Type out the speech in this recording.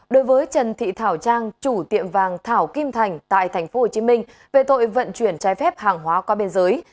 đối với trần thị thảo trang chủ tiệm vàng thảo kim thành tại tp hcm về tội vận chuyển trái phép hàng hóa qua biên giới